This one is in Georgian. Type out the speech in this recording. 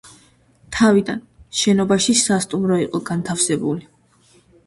თავდაპირველად შენობაში სასტუმრო იყო განთავსებული.